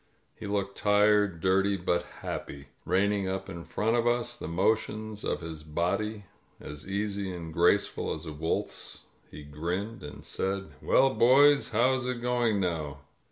He looked tired, dirty, but happy. Reining up in front of us, the motions of his body as easy and graceful as a wolf's, he grinned and said, "Well, boys, how is it going now?"